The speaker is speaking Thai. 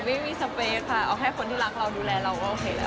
อย่าเชียร์เลยค่ะจริง